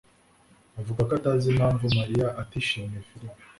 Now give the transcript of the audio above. avuga ko atazi impamvu Mariya atishimiye firime.